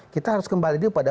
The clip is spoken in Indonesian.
kita harus kembali dulu